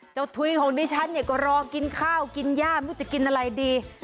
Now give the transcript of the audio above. เจ้าทุยของดิฉันก็รอกินข้าวกินย่าไม่รู้จะกินอะไรดี